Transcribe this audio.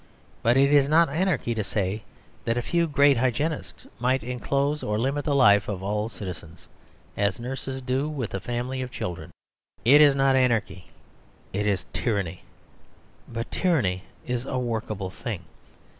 But it is not anarchy to say that a few great hygienists might enclose or limit the life of all citizens, as nurses do with a family of children. It is not anarchy, it is tyranny; but tyranny is a workable thing.